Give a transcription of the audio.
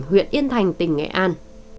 huyện yên thành tỉnh nghệ an